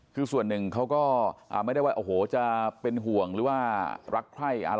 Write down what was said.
คือส่วนหนึ่งเขาก็ไม่ได้ว่าจะเป็นห่วงหรือว่ารักใคร